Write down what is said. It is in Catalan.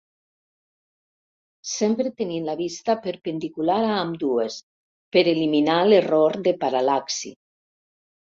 Sempre tenint la vista perpendicular a ambdues per eliminar l'error de paral·laxi.